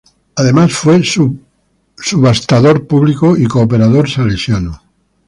Además, fue subastador público y cooperador salesiano.